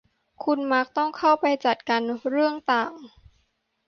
คุณมักต้องเข้าไปจัดการเรื่องต่าง